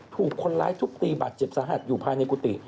ถูกคนร้ายทุบตีบาดเจ็บสาหัสอยู่ภายในกุฏิ